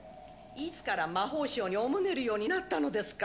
いつから魔法省におもねるようになったのですか！